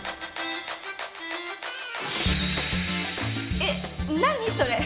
えっ何それ？